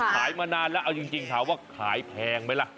มานานแล้วเอาจริงถามว่าขายแพงไหมล่ะ